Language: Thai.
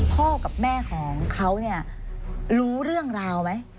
พ่อกับแม่ของเขาเนี่ยรู้เรื่องราวไหม